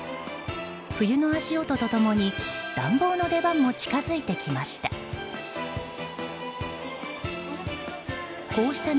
冬の足音と共に暖房の出番も近づいてきました。